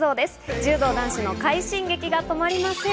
柔道男子の快進撃が止まりません。